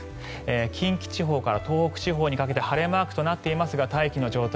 近畿地方から東北地方にかけて晴れマークとなっていますが大気の状態